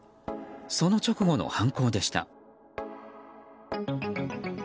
その直後の犯行でした。